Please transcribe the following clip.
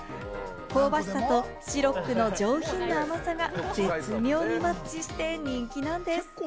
香ばしさとシロップの上品な甘さが絶妙にマッチして人気なんです。